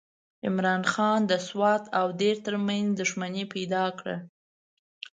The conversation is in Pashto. عمرا خان د سوات او دیر ترمنځ دښمني پیدا کړه.